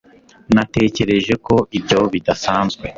natekereje ko ibyo bidasanzwe